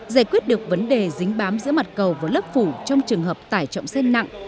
giải quyết được vấn đề dính bám giữa mặt cầu và lớp phủ trong trường hợp tải trọng xe nặng